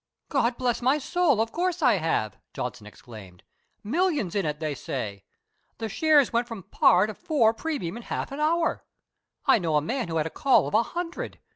"God bless my soul, of course I have!" Johnson exclaimed. "Millions in it, they say. The shares went from par to four premium in half an hour. I know a man who had a call of a hundred.